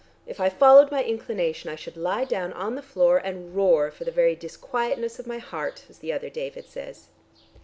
If I followed my inclination, I should lie down on the floor and roar for the very disquietness of my heart, as the other David says."